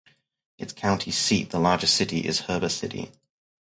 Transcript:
Its county seat and largest city is Heber City.